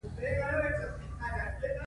نـور څه کوی شم څه به وکړم.